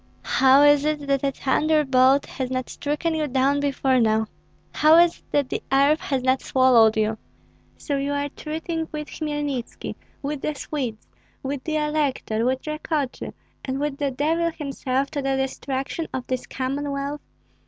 How is it, that a thunderbolt has not stricken you down before now? How is it that the earth has not swallowed you? So you are treating with Hmelnitski, with the Swedes, with the elector, with Rakotsy, and with the devil himself to the destruction of this Commonwealth?